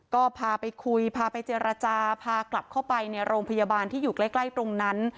ก็พาไปคุยพาไปเจรจาพากลับเข้าไปในโรงพยาบาลที่อยู่ใกล้ตรงนั้น